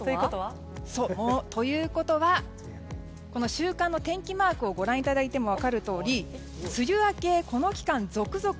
ということは週間の天気マークをご覧いただいても分かるとおりこの期間に続々と